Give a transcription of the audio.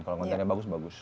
kalau kontennya bagus bagus